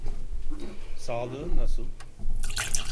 Sağlığın nasıl?